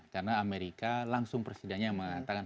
karena amerika langsung presidennya mengatakan